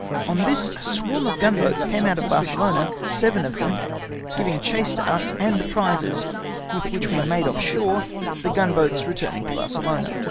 On this a swarm of gun boats caine out of Barcelona, seven of them giving chase to us and the prizes, with which we made off shore, the gun boats returning to Barcelona.